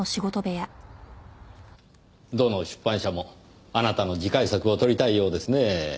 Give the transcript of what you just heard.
どの出版社もあなたの次回作をとりたいようですねぇ。